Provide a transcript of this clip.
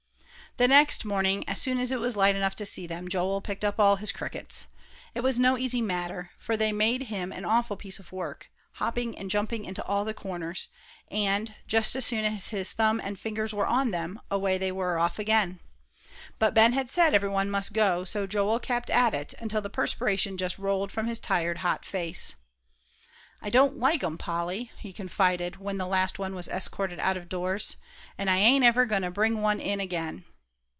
The next morning, as soon as it was light enough to see them, Joel picked up all his crickets. It was no easy matter, for they made him an awful piece of work, hopping and jumping into all the corners; and, just as soon as his thumb and fingers were on them away they were off again. But Ben had said every one must go. So at it Joel kept, until the perspiration just rolled from his tired, hot face. "I don't like 'em, Polly," he confided, when the last one was escorted out of doors, "and I ain't ever goin' to bring one in again."